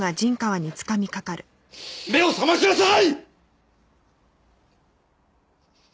目を覚ましなさい！！